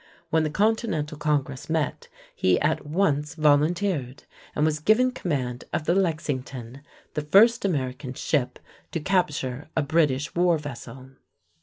When the Continental Congress met, he at once volunteered, and was given command of the Lexington, the first American ship to capture a British war vessel.